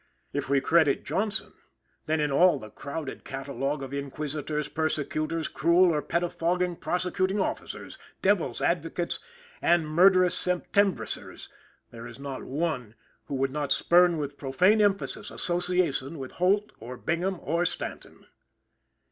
If we credit Johnson, then in all the crowded catalogue of inquisitors, persecutors, cruel or pettifogging prosecuting officers, devil's advocates and murderous Septembrisers, there is not one who would not spurn with profane emphasis association with Holt or Bingham or Stanton.